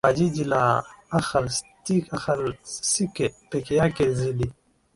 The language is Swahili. wa jiji la Akhaltsikhe peke yake ilizidi